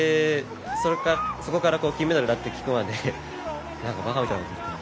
そこから金メダルだって聞くまで何かばかみたいなことを言ってるな。